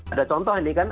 ada contoh ini kan